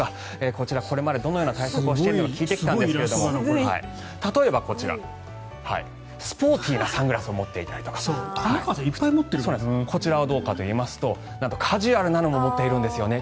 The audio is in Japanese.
こちら、これまでどのような対策をしてきたのか聞いてみたんですが例えばこちら、スポーティーなサングラスを持っていたりとかこちらはどうかといいますとなんとカジュアルなのも持っているんですよね。